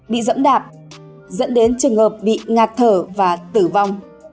bị dẫm đạp dẫn đến trường hợp bị ngạt thở và tử vong